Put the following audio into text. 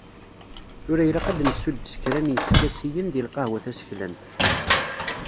Tura ilaq ad d-nessuddes kra n yiskasiyen deg lqahwa taseklant.